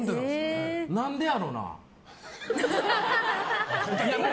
何でやろな。